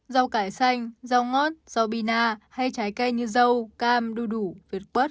rau cải xanh rau ngót rau bina hay trái cây như rau cam đu đủ vịt quất